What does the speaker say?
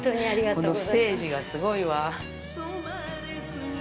このステージがすごいわ。